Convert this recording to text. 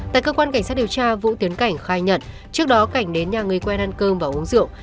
tại cơ quan cảnh sát điều tra vũ tiến cảnh khai nhận trước đó cảnh đến nhà người quen ăn cơm và uống rượu